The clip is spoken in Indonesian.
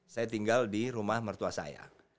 saya tinggal di rumah mertua saya